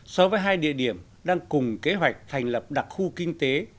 so với hai địa điểm đang cùng kế hoạch thành lập đặc khu kinh tế